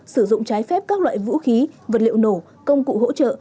sử dụng trái phép các loại vũ khí vật liệu nổ công cụ hỗ trợ